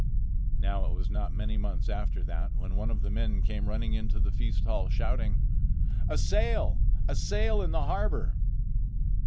Now it was not many months after that when one of the men came running into the feast hall, shouting: "A sail! a sail in the harbor!"